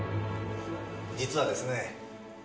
実はですね